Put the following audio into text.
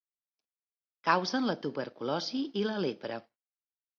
Causen la tuberculosi i la lepra.